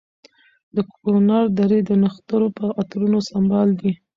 د کنر درې د نښترو په عطرونو سمبال دي.